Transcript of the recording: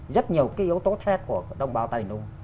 rất nhiều cái yếu tố then của đồng bào tài nung